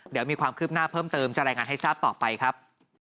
เดี๋ยวมีความคืบหน้าเพิ่มเติมจะรายงานให้ทราบต่อไปครับ